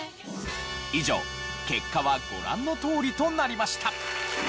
以上結果はご覧のとおりとなりました。